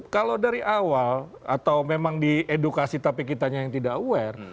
kalau dari awal atau memang diedukasi tapi kitanya yang tidak aware